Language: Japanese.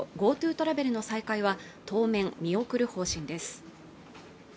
ＧｏＴｏトラベルの再開は当面見送る方針です